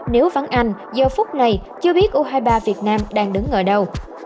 nếu vắng anh giờ phút này chưa biết u hai mươi ba việt nam đang đứng ở đâu